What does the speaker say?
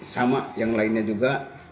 sama yang lainnya juga